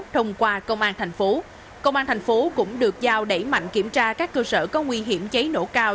thông qua công an tp công an tp cũng được giao đẩy mạnh kiểm tra các cơ sở có nguy hiểm cháy nổ cao